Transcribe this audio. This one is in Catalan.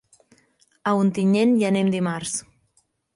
A Ontinyent hi anem dimarts.